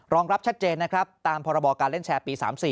รองรับชัดเจนนะครับตามพรบการเล่นแชร์ปี๓๔